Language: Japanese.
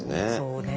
そうね。